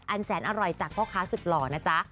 แสนอร่อยจากพ่อค้าสุดหล่อนะจ๊ะ